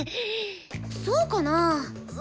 そうかなぁ？